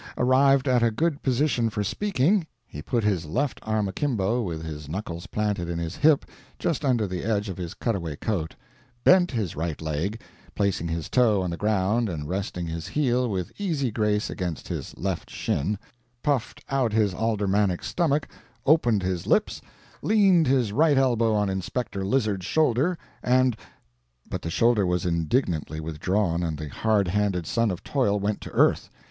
Arrived at a good position for speaking, he put his left arm akimbo with his knuckles planted in his hip just under the edge of his cut away coat, bent his right leg, placing his toe on the ground and resting his heel with easy grace against his left shin, puffed out his aldermanic stomach, opened his lips, leaned his right elbow on Inspector Lizard's shoulder, and But the shoulder was indignantly withdrawn and the hard handed son of toil went to earth.